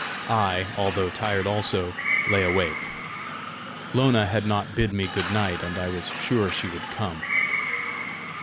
I, although tired also, lay awake: Lona had not bid me good night, and I was sure she would come.